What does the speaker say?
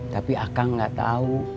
tapi akang gak tahu